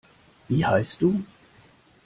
Wie heißt du?